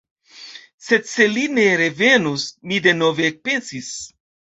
Sed se li ne revenus? Mi denove ekpensis.